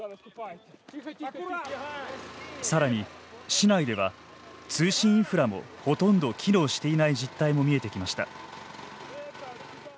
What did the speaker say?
さらに市内では通信インフラもほとんど機能していない実態も見えてきました。